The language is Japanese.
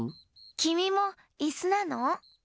きみもいすなの？